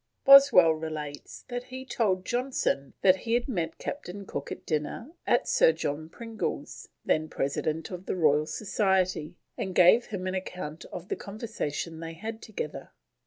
Boswell relates that he told Johnson that he had met Captain Cook at dinner at Sir John Pringle's (then President of the Royal Society), and gave him an account of a conversation they had together.